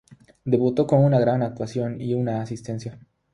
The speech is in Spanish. Debutó con una gran actuación y una asistencia.